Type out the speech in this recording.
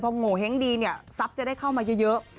เพราะว่าโหเห้งดีเนี่ยทรัพย์จะได้เข้ามาเยอะ